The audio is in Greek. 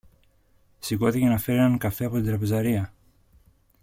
Σηκώθηκε να φέρει έναν καφέ από την τραπεζαρία